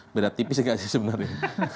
beda tipis nggak sih sebenarnya